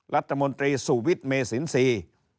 รัฐมนตรีสุวิทเมสินสี